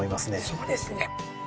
そうですね。